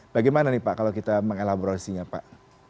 bagaimana nih pak kalau kita mengelaborasinya pak